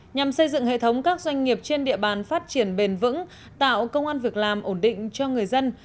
nhằm xây dựng hệ thống các doanh nghiệp trên địa bàn phát triển bền vững tạo công an việc làm ổn định cho người dân